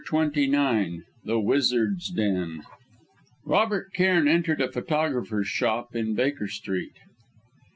CHAPTER XXIX THE WIZARD'S DEN Robert Cairn entered a photographer's shop in Baker Street.